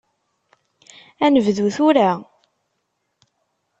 Ad nedbu tura?